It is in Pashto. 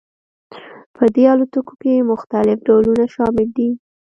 په دې الوتکو کې مختلف ډولونه شامل دي